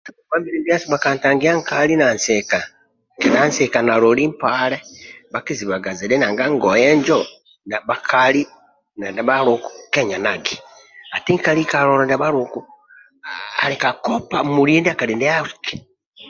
Ka ngongwa mbili ndiasu bhakantagia nkali kedha nsika naloli mpale bhakizibaga zidhi nanga ngoye injo bhakalib ne ndia bhaluku kenyanagi ati nkali kalola ndia bhaluku ali kakopa muliye ndia kali ndiaki